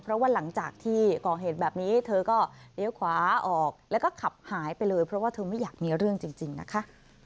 เพราะว่าหลังจากที่ก่อเหตุแบบนี้เธอก็เลี้ยวขวาออกแล้วก็ขับหายไปเลยเพราะว่าเธอไม่อยากมีเรื่องจริงนะคะ